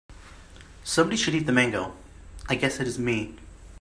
Somebody should eat the mango, I guess it is me.